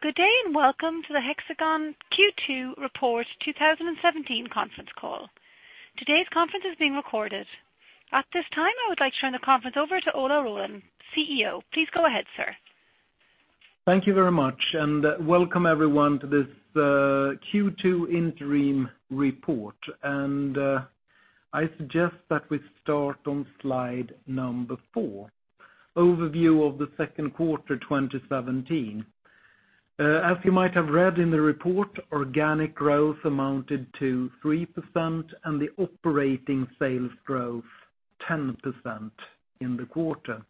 Good day. Welcome to the Hexagon Q2 Report 2017 conference call. Today's conference is being recorded. At this time, I would like to turn the conference over to Ola Rollén, CEO. Please go ahead, sir. Thank you very much. Welcome, everyone, to this Q2 interim report. I suggest that we start on slide number four, overview of the second quarter 2017. As you might have read in the report, organic growth amounted to 3%, and the operating sales growth 10% in the quarter.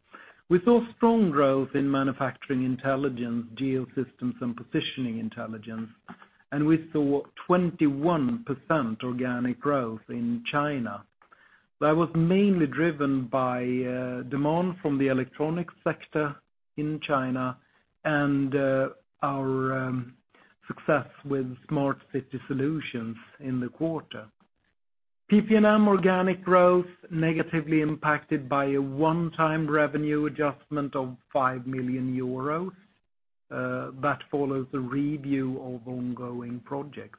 We saw strong growth in Manufacturing Intelligence, Geosystems, and Positioning Intelligence. We saw 21% organic growth in China. That was mainly driven by demand from the electronic sector in China and our success with Smart City Solutions in the quarter. PP&M organic growth negatively impacted by a one-time revenue adjustment of 5 million euros that follows the review of ongoing projects.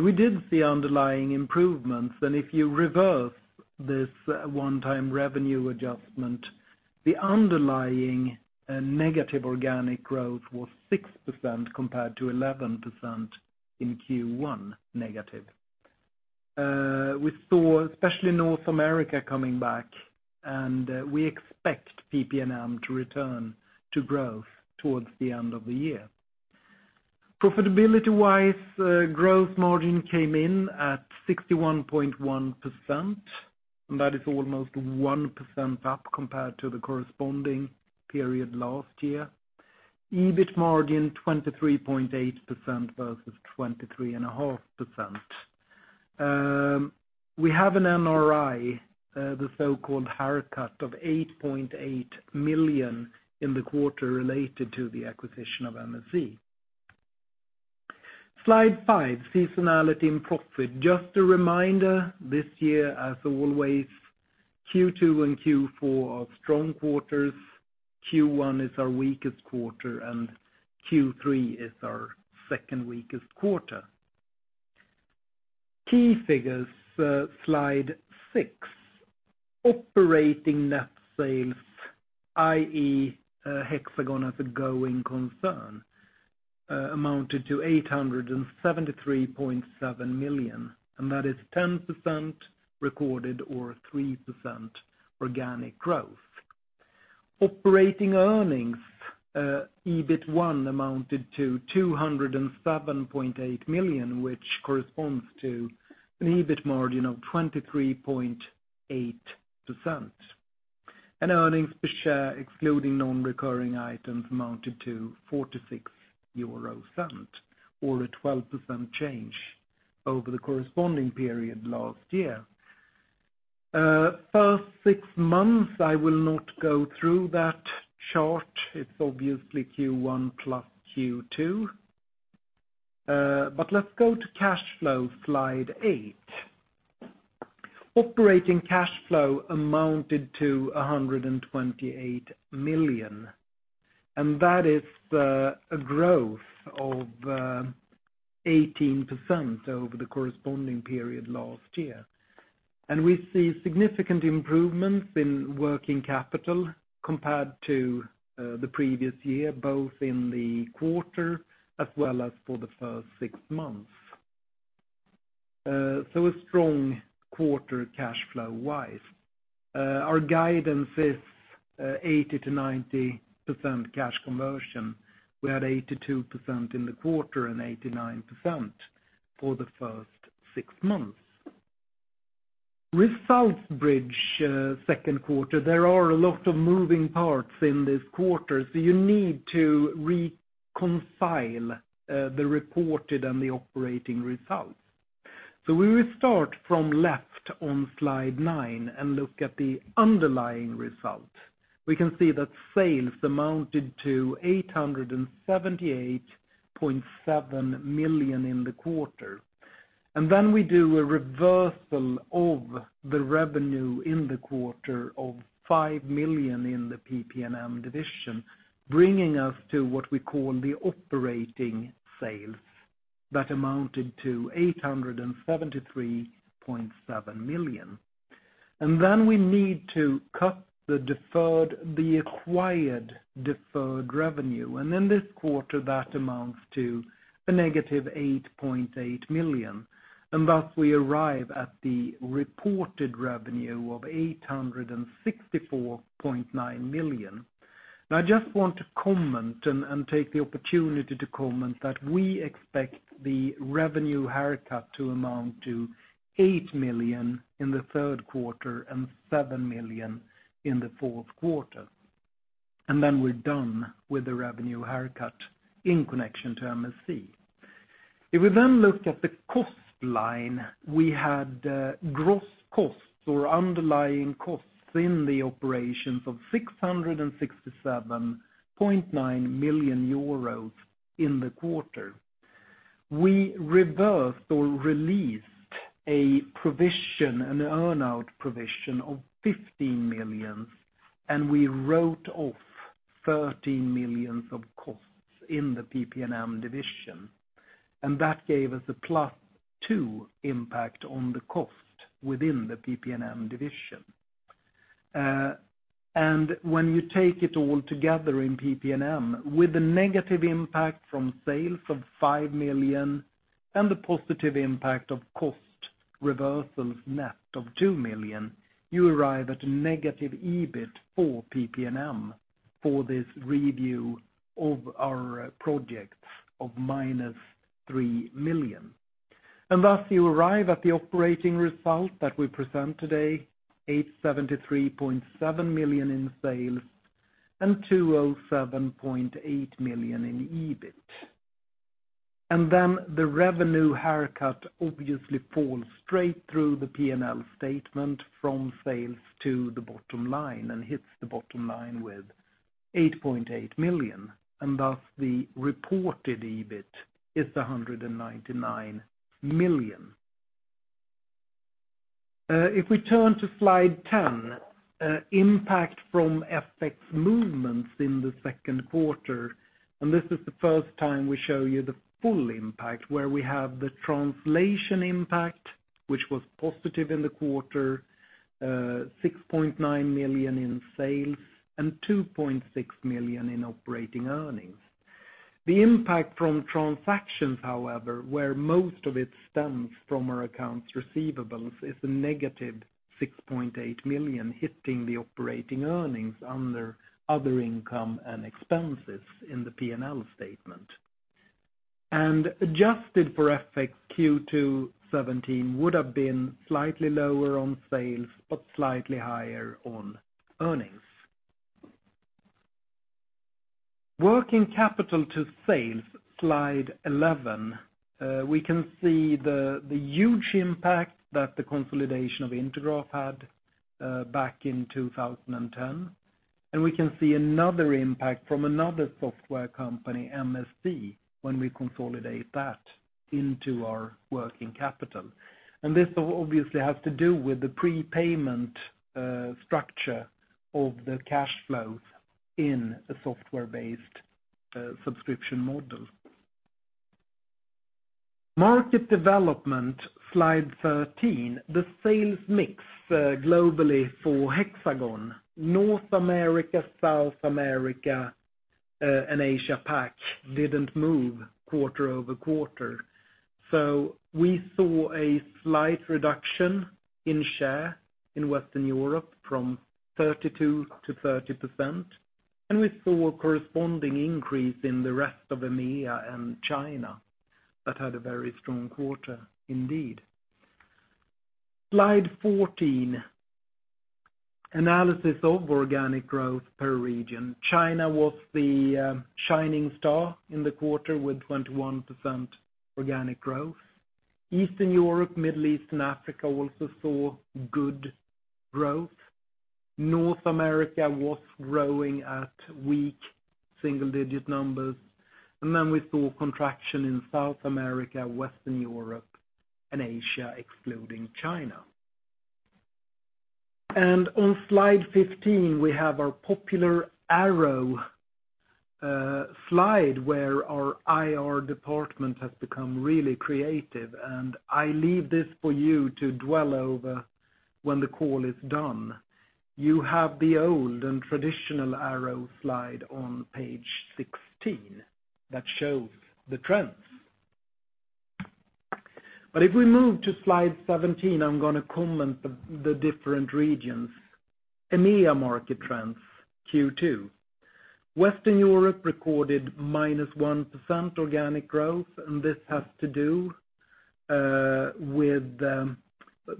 We did see underlying improvements, and if you reverse this one-time revenue adjustment, the underlying negative organic growth was 6% compared to 11% in Q1 negative. We saw especially North America coming back. We expect PP&M to return to growth towards the end of the year. Profitability-wise, growth margin came in at 61.1%. That is almost 1% up compared to the corresponding period last year. EBIT margin 23.8% versus 23.5%. We have an NRI, the so-called haircut of 8.8 million in the quarter related to the acquisition of MSC. Slide five, seasonality and profit. Just a reminder, this year, as always, Q2 and Q4 are strong quarters, Q1 is our weakest quarter, Q3 is our second weakest quarter. Key figures, slide six. Operating net sales, i.e. Hexagon as a going concern, amounted to 873.7 million. That is 10% recorded or 3% organic growth. Operating earnings, EBIT1, amounted to 207.8 million, which corresponds to an EBIT margin of 23.8%. Earnings per share, excluding non-recurring items, amounted to 0.46, or a 12% change over the corresponding period last year. First six months, I will not go through that chart. It's obviously Q1 plus Q2. Let's go to cash flow, slide eight. Operating cash flow amounted to 128 million. That is a growth of 18% over the corresponding period last year. We see significant improvements in working capital compared to the previous year, both in the quarter as well as for the first six months. A strong quarter cash flow-wise. Our guidance is 80%-90% cash conversion. We had 82% in the quarter and 89% for the first six months. Results bridge second quarter. There are a lot of moving parts in this quarter, you need to reconcile the reported and the operating results. We will start from left on slide nine and look at the underlying results. We can see that sales amounted to 878.7 million in the quarter. We do a reversal of the revenue in the quarter of 5 million in the PPM division, bringing us to what we call the operating sales that amounted to 873.7 million. We need to cut the acquired deferred revenue. In this quarter, that amounts to a negative 8.8 million, and thus we arrive at the reported revenue of 864.9 million. I just want to comment and take the opportunity to comment that we expect the revenue haircut to amount to 8 million in the third quarter and 7 million in the fourth quarter. We are done with the revenue haircut in connection to MSC. We then look at the cost line. We had gross costs or underlying costs in the operations of 667.9 million euros in the quarter. We reversed or released a provision, an earn-out provision of 15 million. We wrote off 13 million of costs in the PPM division, and that gave us a +2 impact on the cost within the PPM division. When you take it all together in PPM, with the negative impact from sales of 5 million and the positive impact of cost reversals net of 2 million, you arrive at a negative EBIT for PPM for this review of our projects of -3 million. Thus you arrive at the operating result that we present today, 873.7 million in sales and 207.8 million in EBIT. The revenue haircut obviously falls straight through the P&L statement from sales to the bottom line and hits the bottom line with 8.8 million, and thus the reported EBIT is 199 million. We turn to slide 10, impact from FX movements in the second quarter, and this is the first time we show you the full impact, where we have the translation impact, which was positive in the quarter, 6.9 million in sales and 2.6 million in operating earnings. The impact from transactions, however, where most of it stems from our accounts receivables, is a negative 6.8 million hitting the operating earnings under other income and expenses in the P&L statement. Adjusted for FX, Q2 2017 would have been slightly lower on sales but slightly higher on earnings. Working capital to sales, slide 11. We can see the huge impact that the consolidation of Intergraph had back in 2010. We can see another impact from another software company, MSC, when we consolidate that into our working capital. This obviously has to do with the prepayment structure of the cash flows in a software-based subscription model. Market development, slide 13. The sales mix globally for Hexagon, North America, South America, and Asia PAC didn't move quarter-over-quarter. We saw a slight reduction in share in Western Europe from 32% to 30%. We saw a corresponding increase in the rest of EMEA and China that had a very strong quarter indeed. Slide 14, analysis of organic growth per region. China was the shining star in the quarter with 21% organic growth. Eastern Europe, Middle East, and Africa also saw good growth. North America was growing at weak single-digit numbers. We saw contraction in South America, Western Europe, and Asia, excluding China. On slide 15, we have our popular arrow slide, where our IR department has become really creative, and I leave this for you to dwell over when the call is done. You have the old and traditional arrow slide on page 16 that shows the trends. If we move to slide 17, I'm going to comment the different regions. EMEA market trends, Q2. Western Europe recorded -1% organic growth, and this has to do with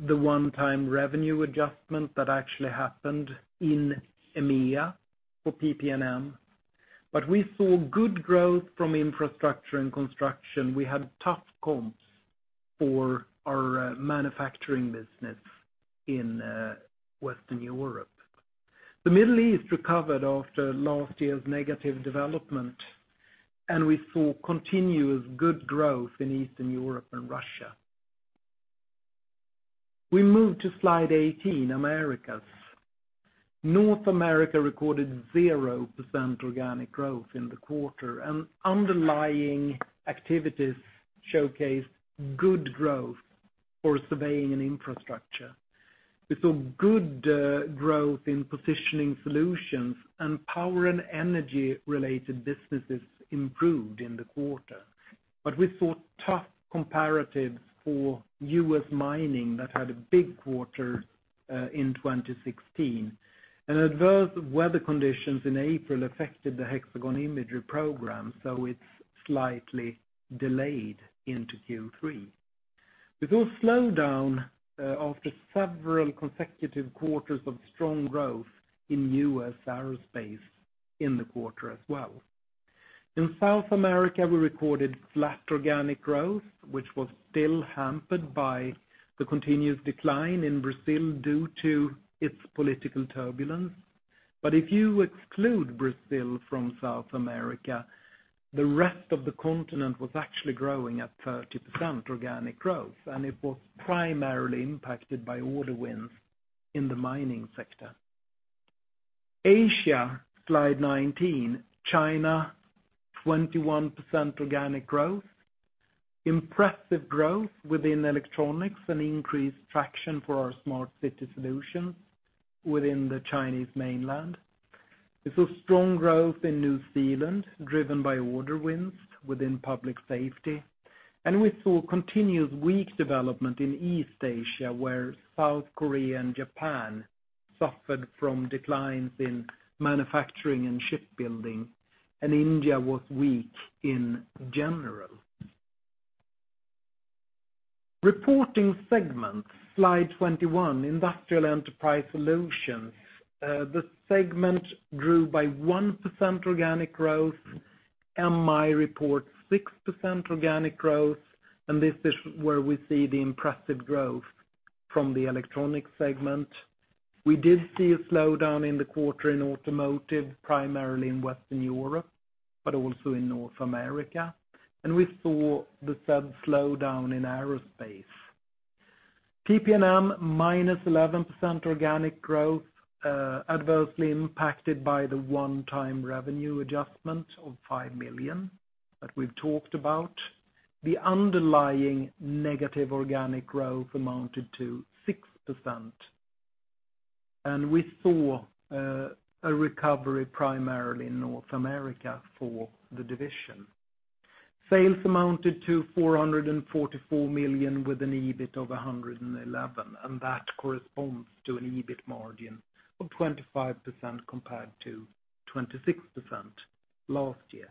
the one-time revenue adjustment that actually happened in EMEA for PP&M. We saw good growth from infrastructure and construction. We had tough comps for our manufacturing business in Western Europe. The Middle East recovered after last year's negative development. We saw continuous good growth in Eastern Europe and Russia. We move to slide 18, Americas. North America recorded 0% organic growth in the quarter. Underlying activities showcased good growth for surveying and infrastructure. We saw good growth in Positioning Intelligence solutions, and power and energy-related businesses improved in the quarter. We saw tough comparatives for U.S. mining that had a big quarter in 2016. Adverse weather conditions in April affected the Hexagon Imagery Program, so it's slightly delayed into Q3. We saw a slowdown after several consecutive quarters of strong growth in U.S. Aero in the quarter as well. In South America, we recorded flat organic growth, which was still hampered by the continuous decline in Brazil due to its political turbulence. If you exclude Brazil from South America, the rest of the continent was actually growing at 30% organic growth. It was primarily impacted by order wins in the mining sector. Asia, slide 19, China, 21% organic growth, impressive growth within electronics and increased traction for our Smart City Solutions within the Chinese mainland. We saw strong growth in New Zealand, driven by order wins within public safety. We saw continued weak development in East Asia, where South Korea and Japan suffered from declines in manufacturing and shipbuilding, and India was weak in general. Reporting segments, slide 21, Industrial Enterprise Solutions. The segment grew by 1% organic growth. MI reports 6% organic growth, and this is where we see the impressive growth from the electronics segment. We did see a slowdown in the quarter in automotive, primarily in Western Europe, but also in North America. We saw the said slowdown in Aero. PP&M, -11% organic growth, adversely impacted by the one-time revenue adjustment of 5 million that we've talked about. The underlying negative organic growth amounted to 6%. We saw a recovery primarily in North America for the division. Sales amounted to 444 million with an EBIT of 111, and that corresponds to an EBIT margin of 25% compared to 26% last year.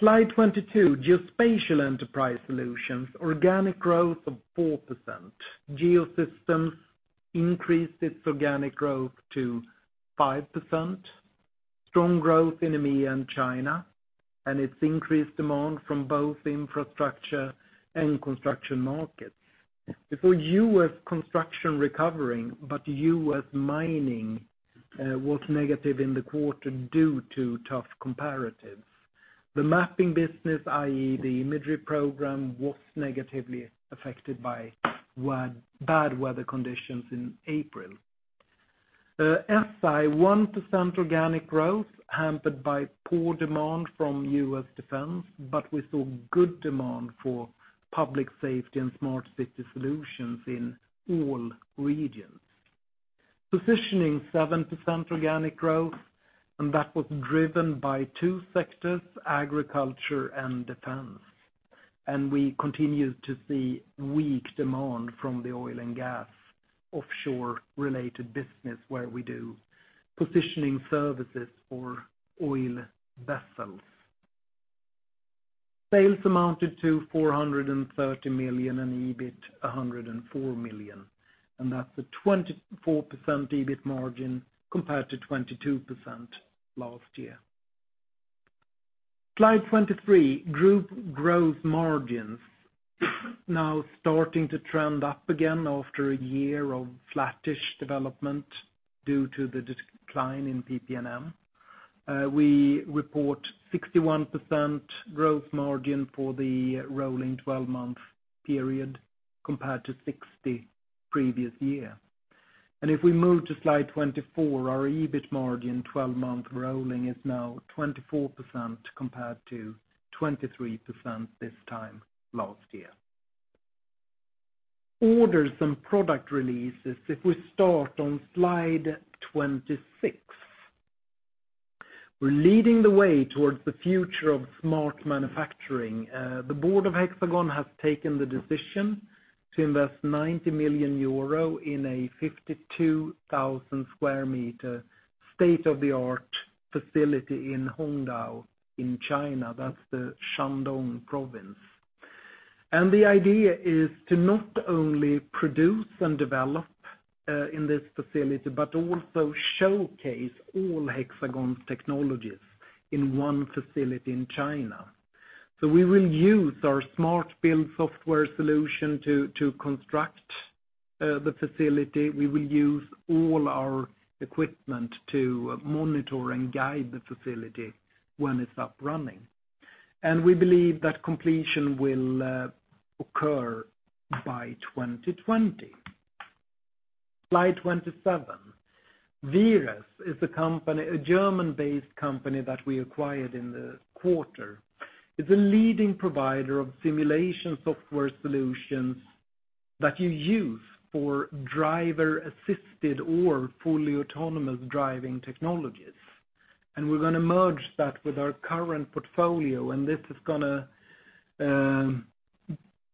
Slide 22, Geospatial Enterprise Solutions, organic growth of 4%. Geosystems increased its organic growth to 5%. Strong growth in EMEA and China and its increased demand from both infrastructure and construction markets. We saw U.S. construction recovering, but U.S. mining was negative in the quarter due to tough comparatives. The mapping business, i.e., the Imagery Program, was negatively affected by bad weather conditions in April. SI, 1% organic growth hampered by poor demand from U.S. defense, but we saw good demand for public safety and Smart City Solutions in all regions. Positioning, 7% organic growth, that was driven by two sectors, agriculture and defense. We continued to see weak demand from the oil and gas offshore-related business where we do positioning services for oil vessels. Sales amounted to 430 million and EBIT 104 million, and that's a 24% EBIT margin compared to 22% last year. Slide 23, group growth margins now starting to trend up again after a year of flattish development due to the decline in Hexagon PPM. We report 61% growth margin for the rolling 12-month period compared to 60% previous year. If we move to slide 24, our EBIT margin 12-month rolling is now 24% compared to 23% this time last year. Orders and product releases, if we start on slide 26. We're leading the way towards the future of smart manufacturing. The board of Hexagon has taken the decision to invest 90 million euro in a 52,000 sq m state-of-the-art facility in Hongdao in China. That's the Shandong province. The idea is to not only produce and develop in this facility, but also showcase all Hexagon's technologies in one facility in China. We will use our Smart Build software solution to construct the facility. We will use all our equipment to monitor and guide the facility when it's up running. We believe that completion will occur by 2020. Slide 27. VIRES is a German-based company that we acquired in the quarter. It's a leading provider of simulation software solutions that you use for driver-assisted or fully autonomous driving technologies. We're going to merge that with our current portfolio, and this is going to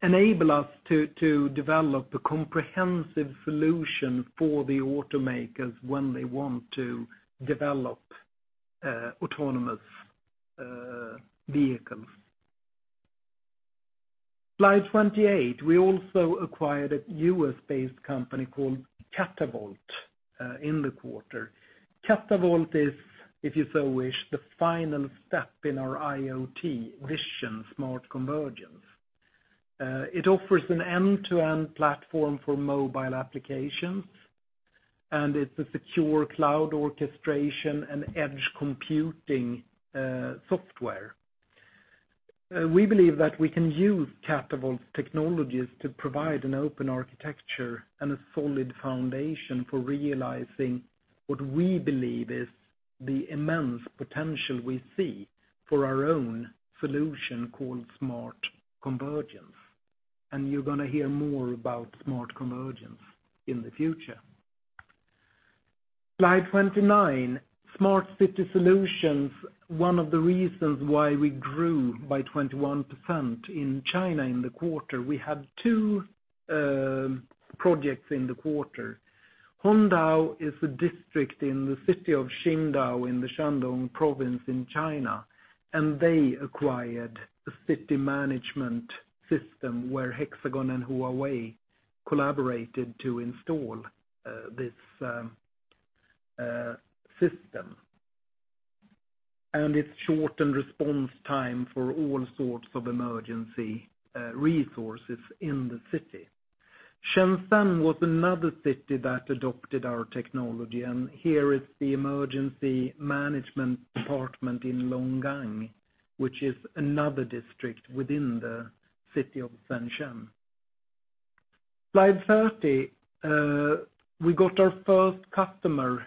enable us to develop a comprehensive solution for the automakers when they want to develop autonomous vehicles. Slide 28. We also acquired a U.S.-based company called Catavolt in the quarter. Catavolt is, if you so wish, the final step in our IoT vision, Smart Convergence. It offers an end-to-end platform for mobile applications, and it's a secure cloud orchestration and edge computing software. We believe that we can use Catavolt technologies to provide an open architecture and a solid foundation for realizing what we believe is the immense potential we see for our own solution called Smart Convergence. You're going to hear more about Smart Convergence in the future. Slide 29. Smart City Solutions, one of the reasons why we grew by 21% in China in the quarter. We had two projects in the quarter. Hongdao is a district in the city of Qingdao in the Shandong province in China. They acquired a city management system where Hexagon and Huawei collaborated to install this system. It shortened response time for all sorts of emergency resources in the city. Shenzhen was another city that adopted our technology, and here is the emergency management department in Longgang, which is another district within the city of Shenzhen. Slide 30. We got our first customer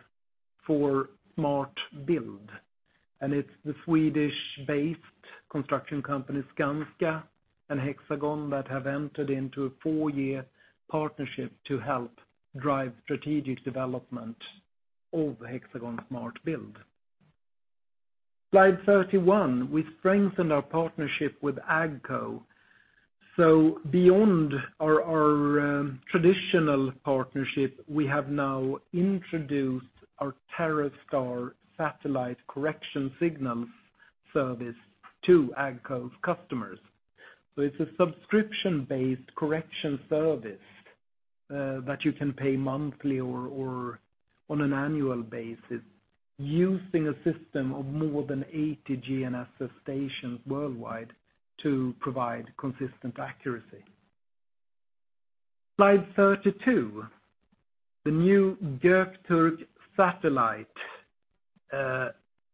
for Smart Build. It's the Swedish-based construction company Skanska and Hexagon that have entered into a four-year partnership to help drive strategic development of Hexagon Smart Build. Slide 31. We strengthened our partnership with AGCO. Beyond our traditional partnership, we have now introduced our TerraStar satellite correction signals service to AGCO's customers. It's a subscription-based correction service that you can pay monthly or on an annual basis using a system of more than 80 GNSS stations worldwide to provide consistent accuracy. Slide 32. The new Göktürk satellite.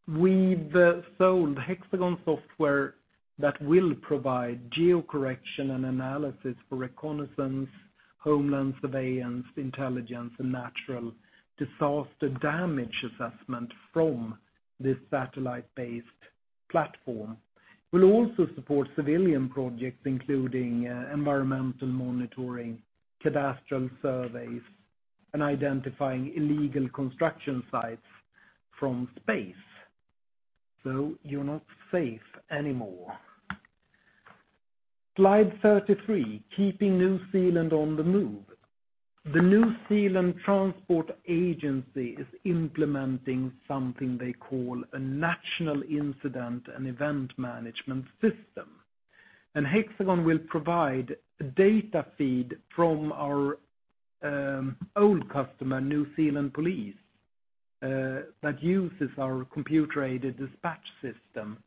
We've sold Hexagon software that will provide geo-correction and analysis for reconnaissance, homeland surveillance, intelligence, and natural disaster damage assessment from this satellite-based platform. We'll also support civilian projects, including environmental monitoring, cadastral surveys, and identifying illegal construction sites from space. You're not safe anymore. Slide 33. Keeping New Zealand on the move. The New Zealand Transport Agency is implementing something they call a National Incident and Event Management System. Hexagon will provide a data feed from our old customer, New Zealand Police, that uses our computer-aided dispatch system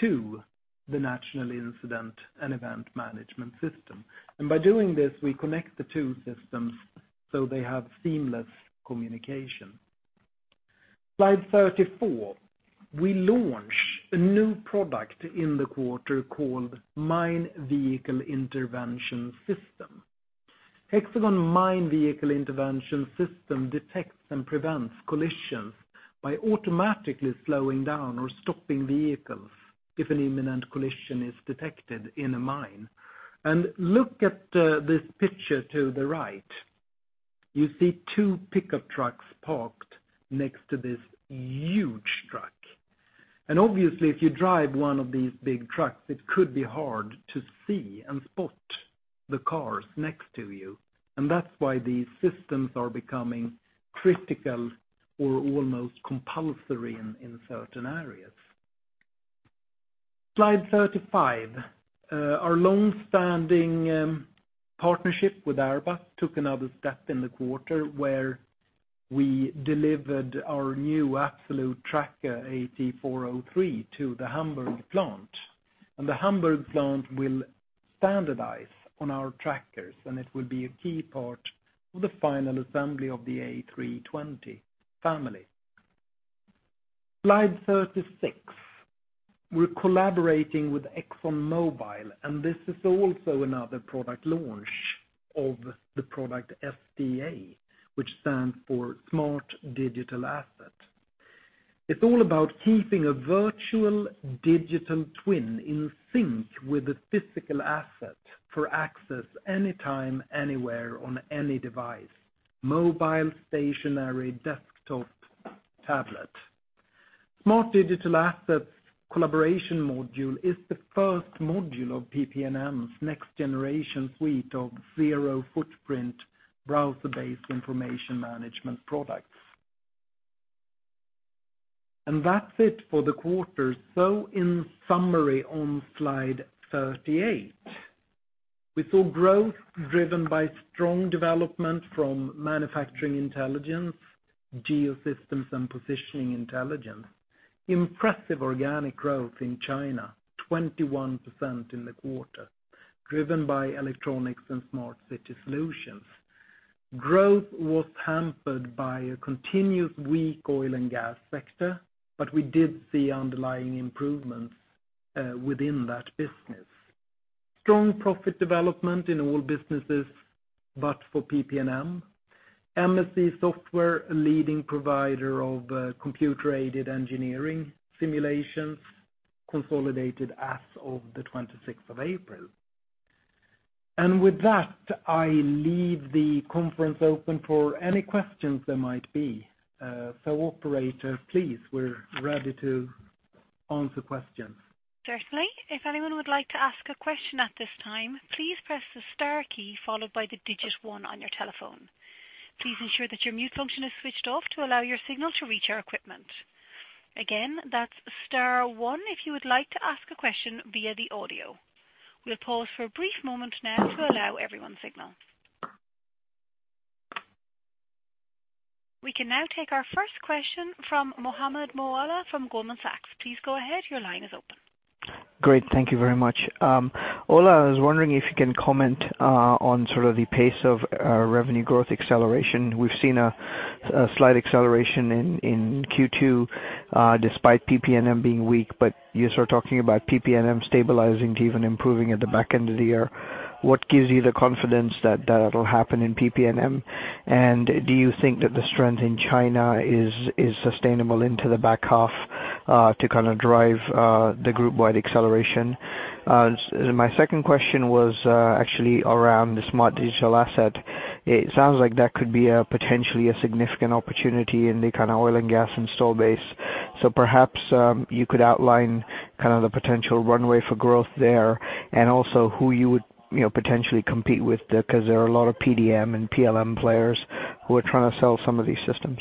to the National Incident and Event Management System. By doing this, we connect the two systems so they have seamless communication. Slide 34. We launch a new product in the quarter called Mine Vehicle Intervention System. Hexagon Mine Vehicle Intervention System detects and prevents collisions by automatically slowing down or stopping vehicles if an imminent collision is detected in a mine. Look at this picture to the right. You see two pickup trucks parked next to this huge truck. Obviously, if you drive one of these big trucks, it could be hard to see and spot the cars next to you, and that's why these systems are becoming critical or almost compulsory in certain areas. Slide 35. Our long-standing partnership with Airbus took another step in the quarter where we delivered our new Absolute Tracker, AT403, to the Hamburg plant. The Hamburg plant will standardize on our trackers, and it will be a key part of the final assembly of the A320 family. Slide 36. We're collaborating with ExxonMobil, this is also another product launch of the product SDA, which stands for Smart Digital Asset. It's all about keeping a virtual digital twin in sync with the physical asset for access anytime, anywhere, on any device, mobile, stationary, desktop, tablet. Smart Digital Asset collaboration module is the first module of PP&M's next generation fleet of zero-footprint, browser-based information management products. That's it for the quarter. In summary, on slide 38, we saw growth driven by strong development from Manufacturing Intelligence, Geosystems, and Positioning Intelligence. Impressive organic growth in China, 21% in the quarter, driven by electronics and Smart City Solutions. Growth was hampered by a continuous weak oil and gas sector, we did see underlying improvements within that business. Strong profit development in all businesses, but for PP&M. MSC Software, a leading provider of computer-aided engineering simulations, consolidated as of the 26th of April. With that, I leave the conference open for any questions there might be. Operator, please, we're ready to answer questions. Certainly. If anyone would like to ask a question at this time, please press the star key followed by the digit one on your telephone. Please ensure that your mute function is switched off to allow your signal to reach our equipment. Again, that's star one if you would like to ask a question via the audio. We'll pause for a brief moment now to allow everyone's signal. We can now take our first question from Mohammed Moala from Goldman Sachs. Please go ahead. Your line is open. Great. Thank you very much. Ola, I was wondering if you can comment on sort of the pace of revenue growth acceleration. We've seen a slight acceleration in Q2, despite PP&M being weak, but you start talking about PP&M stabilizing to even improving at the back end of the year. Do you think that the strength in China is sustainable into the back half, to drive the group-wide acceleration? My second question was actually around the Smart Digital Asset. It sounds like that could be potentially a significant opportunity in the oil and gas install base. Perhaps, you could outline the potential runway for growth there, and also who you would potentially compete with there, because there are a lot of PDM and PLM players who are trying to sell some of these systems.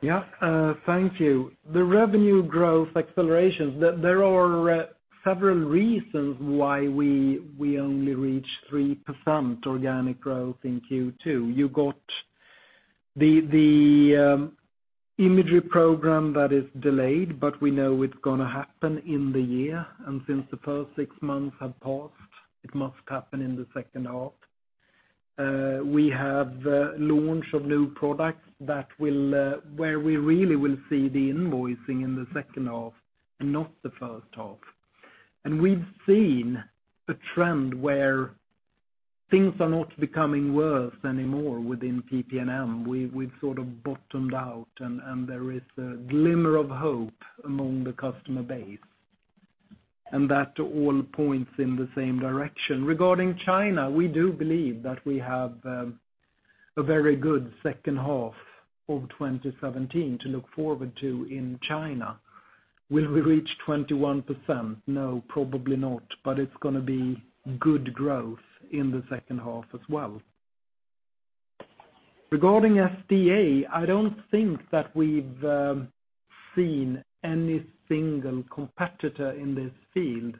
Yeah. Thank you. The revenue growth acceleration, there are several reasons why we only reached 3% organic growth in Q2. You got the Imagery Program that is delayed, but we know it's going to happen in the year. Since the first six months have passed, it must happen in the second half. We have launch of new products where we really will see the invoicing in the second half and not the first half. We've seen a trend where things are not becoming worse anymore within PP&M. We've sort of bottomed out, and there is a glimmer of hope among the customer base. That all points in the same direction. Regarding China, we do believe that we have a very good second half of 2017 to look forward to in China. Will we reach 21%? No, probably not. It's going to be good growth in the second half as well. Regarding SDA, I don't think that we've seen any single competitor in this field.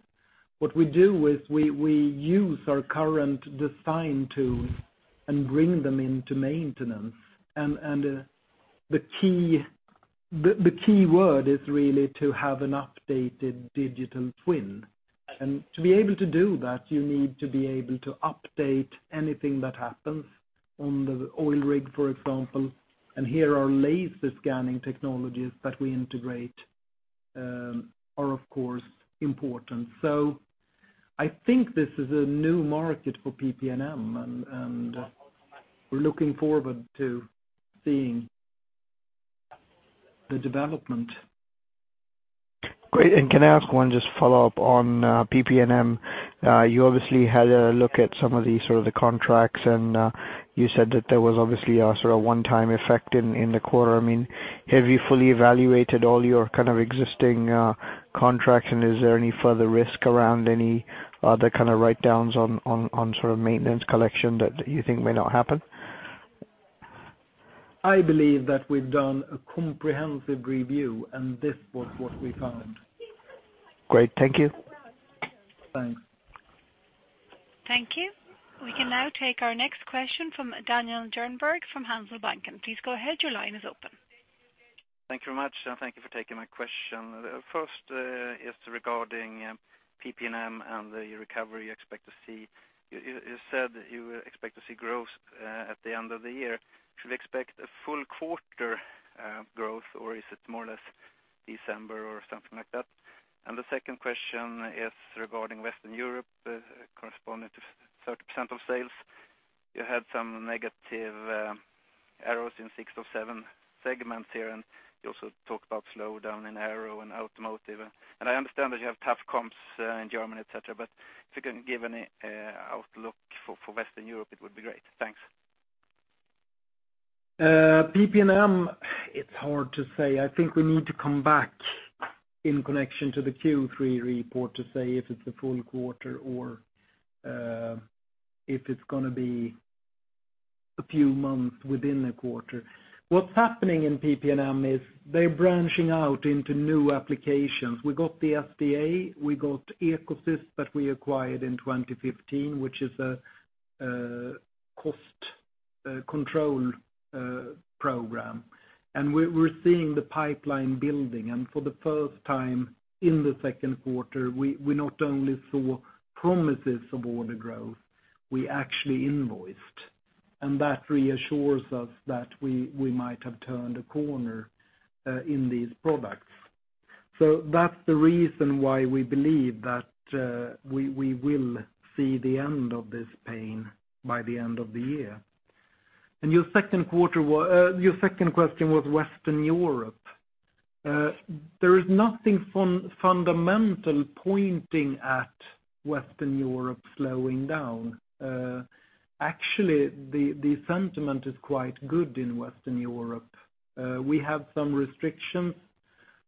What we do is we use our current design tools and bring them into maintenance, and the key word is really to have an updated digital twin. To be able to do that, you need to be able to update anything that happens on the oil rig, for example, and here our laser scanning technologies that we integrate are of course important. I think this is a new market for PP&M, and we're looking forward to seeing the development. Great. Can I ask one just follow-up on PPM? You obviously had a look at some of the contracts, and you said that there was obviously a sort of one-time effect in the quarter. Have you fully evaluated all your existing contracts, and is there any further risk around any other write-downs on maintenance collection that you think may not happen? I believe that we've done a comprehensive review, this was what we found. Great. Thank you. Thanks. Thank you. We can now take our next question from Daniel Djurberg from Handelsbanken. Please go ahead. Your line is open. Thank you very much. Thank you for taking my question. First is regarding PP&M and the recovery you expect to see. You said that you expect to see growth at the end of the year. Should we expect a full quarter growth, or is it more or less December or something like that? The second question is regarding Western Europe, corresponding to 30% of sales. You had some negative errors in six or seven segments here, and you also talked about slowdown in Aero and automotive. I understand that you have tough comps in Germany, et cetera, but if you can give any outlook for Western Europe, it would be great. Thanks. PP&M, it's hard to say. I think we need to come back in connection to the Q3 report to say if it's a full quarter or if it's going to be a few months within a quarter. What's happening in PP&M is they're branching out into new applications. We got the SDA, we got EcoSys that we acquired in 2015, which is a Cost control program. We're seeing the pipeline building. For the first time in the second quarter, we not only saw promises of order growth, we actually invoiced. That reassures us that we might have turned a corner in these products. That's the reason why we believe that we will see the end of this pain by the end of the year. Your second question was Western Europe. There is nothing fundamental pointing at Western Europe slowing down. Actually, the sentiment is quite good in Western Europe. We have some restrictions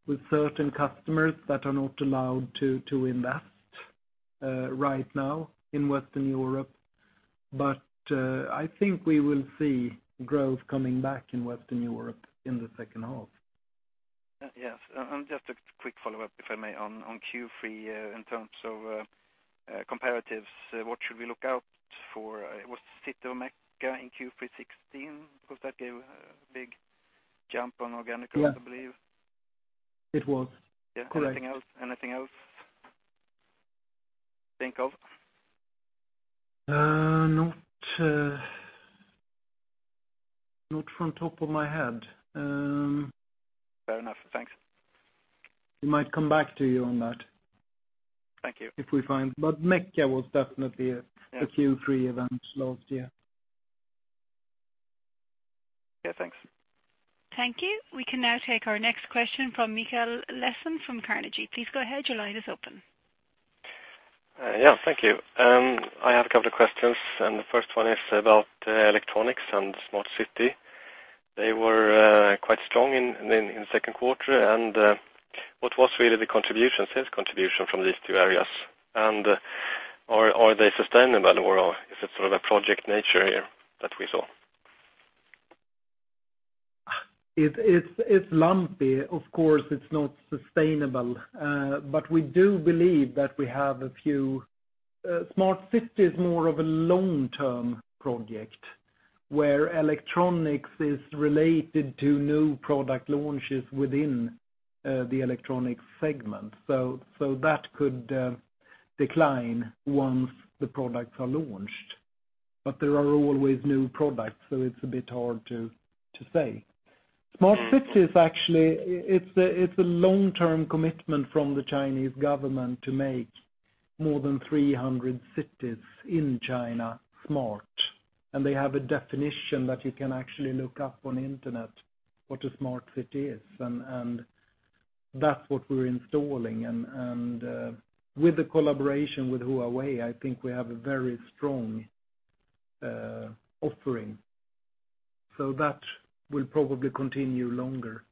with certain customers that are not allowed to invest right now in Western Europe, but, I think we will see growth coming back in Western Europe in the second half. Yes. Just a quick follow-up, if I may, on Q3, in terms of comparatives, what should we look out for? It was [Sitomeca] in Q3 2016, because that gave a big jump on organic growth, I believe. Yes. It was. Correct. Yeah. Anything else? Think of? Not from top of my head. Fair enough. Thanks. We might come back to you on that. Thank you. We find MSC was definitely a Q3 event last year. Yeah, thanks. Thank you. We can now take our next question from Mikael Laséen from Carnegie. Please go ahead. Your line is open. Yeah, thank you. I have a couple of questions. The first one is about electronics and Smart City. They were quite strong in second quarter. What was really the sales contribution from these two areas? Are they sustainable, or is it sort of a project nature here that we saw? It's lumpy. Of course, it's not sustainable. We do believe that Smart City is more of a long-term project, where electronics is related to new product launches within the electronic segment. That could decline once the products are launched. There are always new products, so it's a bit hard to say. Smart Cities, actually, it's a long-term commitment from the Chinese government to make more than 300 cities in China smart. They have a definition that you can actually look up on internet what a Smart City is, and that's what we're installing. With the collaboration with Huawei, I think we have a very strong offering. That will probably continue longer.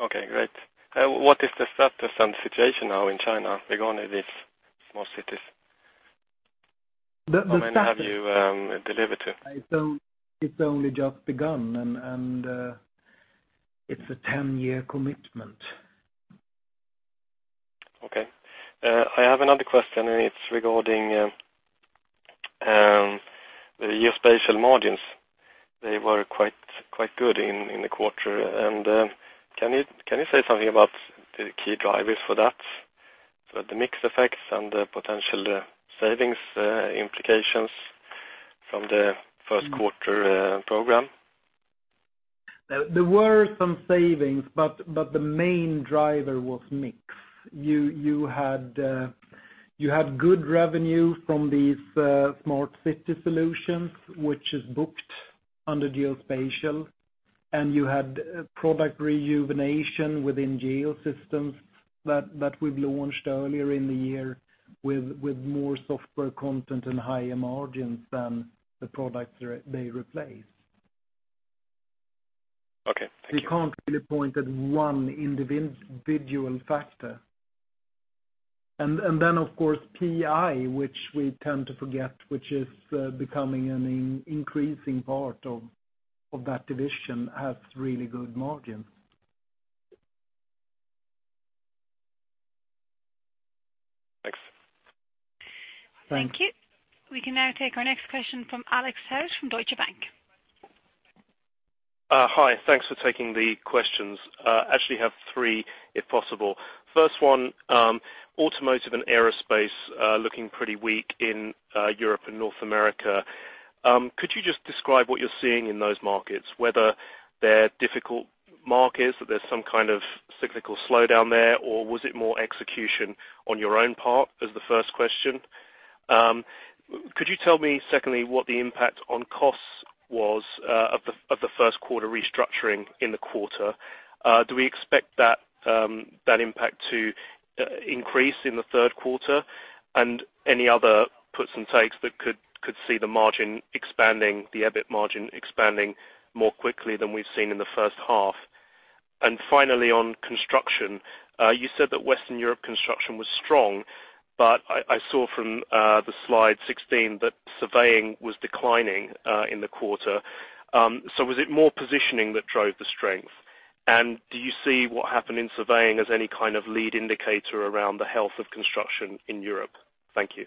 Okay, great. What is the status and situation now in China regarding these Smart Cities? How many have you delivered to? It's only just begun, and it's a 10-year commitment. Okay. I have another question, and it's regarding the Geospatial margins. They were quite good in the quarter. Can you say something about the key drivers for that? For the mix effects and the potential savings implications from the first quarter program? There were some savings, but the main driver was mix. You had good revenue from these Smart City Solutions, which is booked under Geospatial, and you had product rejuvenation within Geosystems that we've launched earlier in the year with more software content and higher margins than the products they replaced. Okay. Thank you. We can't really point at one individual factor. Of course, PI, which we tend to forget, which is becoming an increasing part of that division, has really good margins. Thanks. Thank you. We can now take our next question from Alexander Virgo from Deutsche Bank. Hi. Thanks for taking the questions. Actually, have three if possible. First one, automotive and aerospace are looking pretty weak in Europe and North America. Could you just describe what you're seeing in those markets, whether they're difficult markets, that there's some kind of cyclical slowdown there, or was it more execution on your own part? As the first question. Could you tell me, secondly, what the impact on costs was of the first quarter restructuring in the quarter? Do we expect that impact to increase in the third quarter? Any other puts and takes that could see the EBIT margin expanding more quickly than we've seen in the first half? Finally, on construction, you said that Western Europe construction was strong, but I saw from the slide 16 that surveying was declining in the quarter. Was it more positioning that drove the strength? Do you see what happened in surveying as any kind of lead indicator around the health of construction in Europe? Thank you.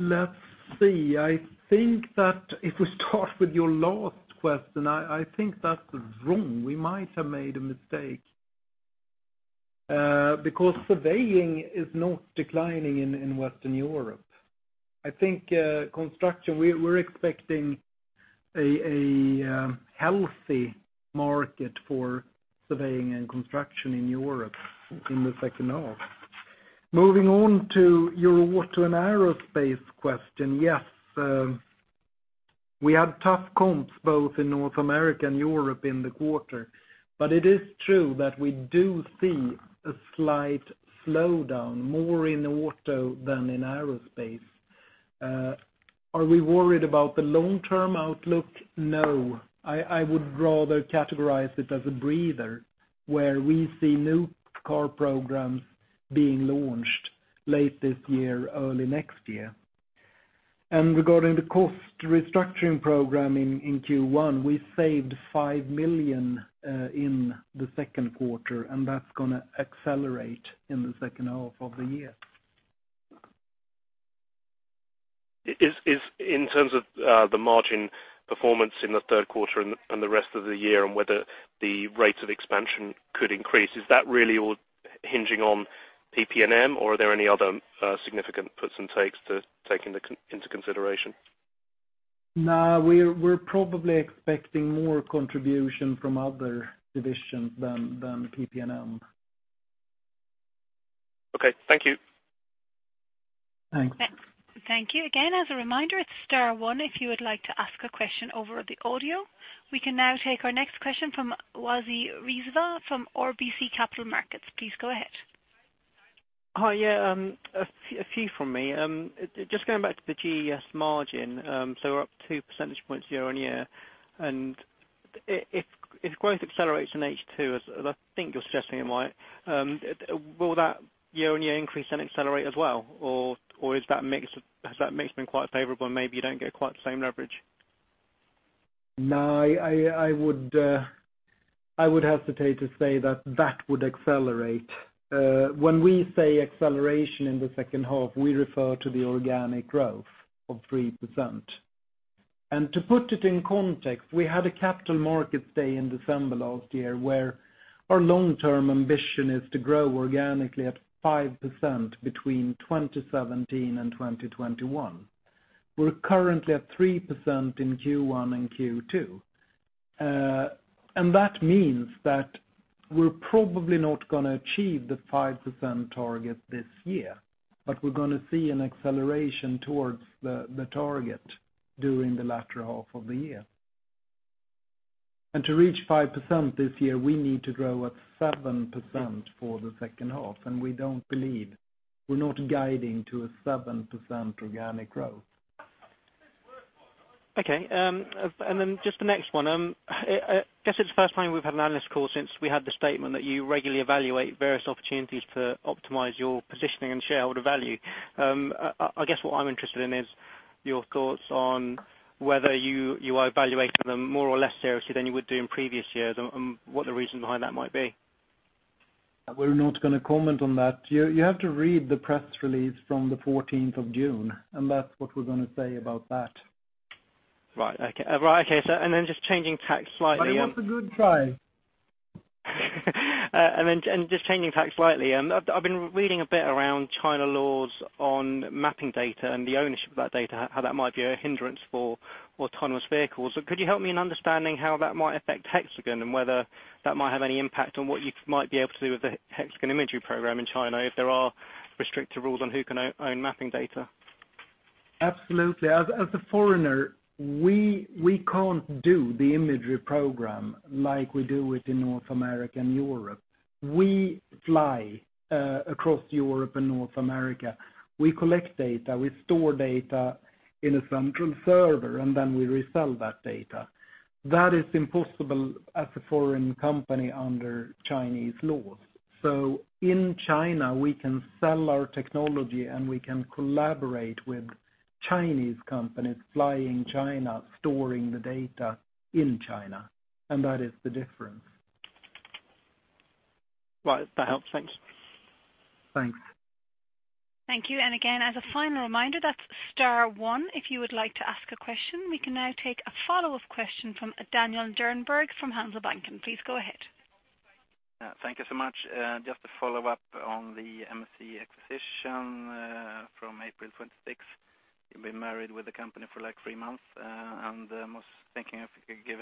Let's see. I think that if we start with your last question, I think that's wrong. We might have made a mistake, because surveying is not declining in Western Europe. I think construction, we're expecting a healthy market for surveying and construction in Europe in the second half. Moving on to an aerospace question. Yes, we had tough comps both in North America and Europe in the quarter. It is true that we do see a slight slowdown, more in auto than in aerospace. Are we worried about the long-term outlook? No, I would rather categorize it as a breather, where we see new car programs being launched late this year, early next year. Regarding the cost restructuring program in Q1, we saved 5 million in the second quarter, and that's going to accelerate in the second half of the year. In terms of the margin performance in the third quarter and the rest of the year, and whether the rates of expansion could increase, is that really all hinging on PP&M, or are there any other significant puts and takes to take into consideration? No, we're probably expecting more contribution from other divisions than PP&M. Okay, thank you. Thanks. Thank you. Again, as a reminder, it's star one if you would like to ask a question over the audio. We can now take our next question from Wasi Rizvi from RBC Capital Markets. Please go ahead. Hi. Yeah, a few from me. Just going back to the GES margin. We're up two percentage points year-on-year. If growth accelerates in H2, as I think you're suggesting it might, will that year-on-year increase then accelerate as well? Has that mix been quite favorable, and maybe you don't get quite the same leverage? No, I would hesitate to say that that would accelerate. When we say acceleration in the second half, we refer to the organic growth of 3%. To put it in context, we had a Capital Markets Day in December last year, where our long-term ambition is to grow organically at 5% between 2017 and 2021. We're currently at 3% in Q1 and Q2. That means that we're probably not going to achieve the 5% target this year. We're going to see an acceleration towards the target during the latter half of the year. To reach 5% this year, we need to grow at 7% for the second half, and we're not guiding to a 7% organic growth. Okay. Just the next one. I guess it's the first time we've had an analyst call since we had the statement that you regularly evaluate various opportunities to optimize your positioning and shareholder value. I guess what I'm interested in is your thoughts on whether you are evaluating them more or less seriously than you would do in previous years, and what the reason behind that might be. We're not going to comment on that. You have to read the press release from the 14th of June, that's what we're going to say about that. Right. Okay. Just changing tack slightly. It was a good try. Just changing tack slightly, I've been reading a bit around China laws on mapping data and the ownership of that data, how that might be a hindrance for autonomous vehicles. Could you help me in understanding how that might affect Hexagon, and whether that might have any impact on what you might be able to do with the Hexagon Imagery Program in China, if there are restrictive rules on who can own mapping data? Absolutely. As a foreigner, we can't do the Imagery Program like we do it in North America and Europe. We fly across Europe and North America. We collect data. We store data in a central server, we resell that data. That is impossible as a foreign company under Chinese laws. In China, we can sell our technology, we can collaborate with Chinese companies, fly in China, storing the data in China. That is the difference. Right. That helps. Thanks. Thanks. Thank you. Again, as a final reminder, that's star one if you would like to ask a question. We can now take a follow-up question from Daniel Djurberg from Handelsbanken. Please go ahead. Thank you so much. Just to follow up on the MSC acquisition from April 26th. You've been married with the company for three months. I was thinking if you could give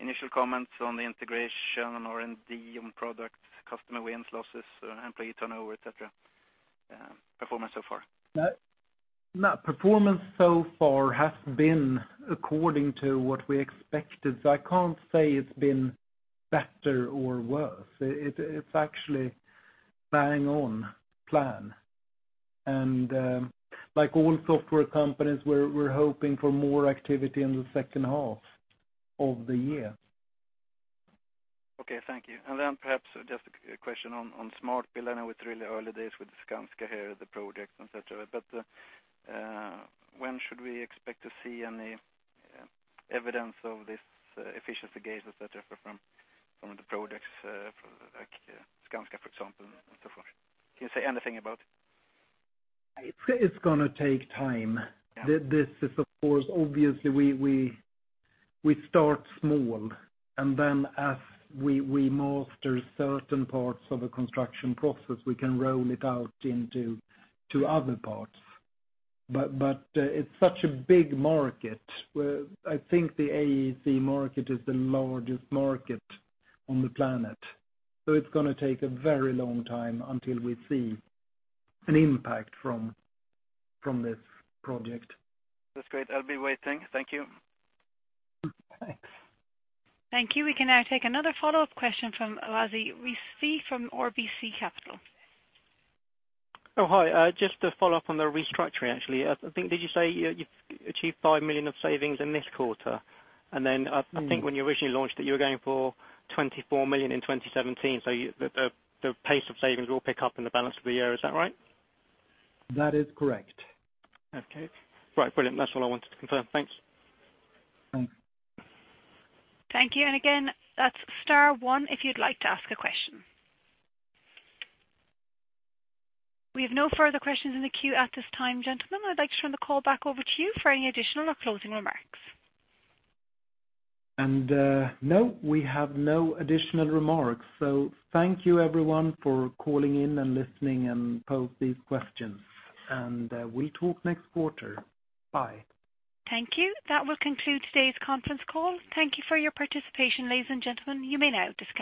initial comments on the integration on R&D, on products, customer wins, losses, employee turnover, et cetera. Performance so far. Performance so far has been according to what we expected. I can't say it's been better or worse. It's actually bang on plan. Like all software companies, we're hoping for more activity in the second half of the year Okay, thank you. Perhaps just a question on Smart Build with really early days with Skanska here, the projects, et cetera. When should we expect to see any evidence of this efficiency gains, et cetera, from the projects like Skanska, for example, and so forth? Can you say anything about it? It's going to take time. Yeah. This is, of course, obviously we start small, as we master certain parts of a construction process, we can roll it out into other parts. It's such a big market. I think the AEC market is the largest market on the planet. It's going to take a very long time until we see an impact from this project. That's great. I'll be waiting. Thank you. Thanks. Thank you. We can now take another follow-up question from Wasi Rizvi from RBC Capital. Hi. Just to follow up on the restructuring, actually. I think, did you say you've achieved 5 million of savings in this quarter? I think when you originally launched it, you were going for 24 million in 2017. The pace of savings will pick up in the balance of the year. Is that right? That is correct. Okay. Right. Brilliant. That's all I wanted to confirm. Thanks. Thanks. Thank you. Again, that's star one if you'd like to ask a question. We have no further questions in the queue at this time, gentlemen. I'd like to turn the call back over to you for any additional or closing remarks. No, we have no additional remarks. Thank you everyone for calling in and listening and pose these questions. We'll talk next quarter. Bye. Thank you. That will conclude today's conference call. Thank you for your participation, ladies and gentlemen. You may now disconnect.